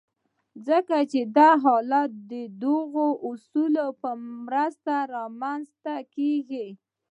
ځکه چې دا حالت د دغو اصولو په مرسته رامنځته کېږي.